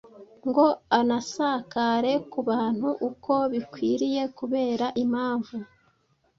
ngo anasakare ku bantu uko bikwiye kubera impamvu